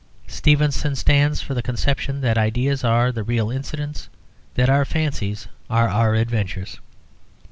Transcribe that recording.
Stevenson stands for the conception that ideas are the real incidents: that our fancies are our adventures.